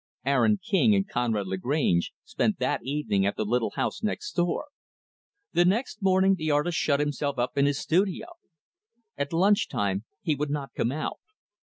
Aaron King and Conrad Lagrange spent that evening at the little house next door. The next morning, the artist shut himself up in his studio. At lunch time, he would not come out.